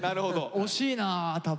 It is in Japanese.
惜しいな多分。